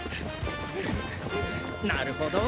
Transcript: なるほど。